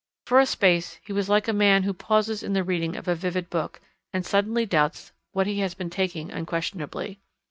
For a space he was like a man who pauses in the reading of a vivid book, and suddenly doubts what he has been taking unquestionably.